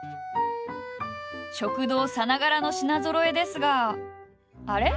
食堂さながらの品ぞろえですがあれ？